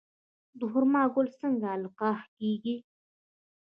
د خرما ګل څنګه القاح کیږي؟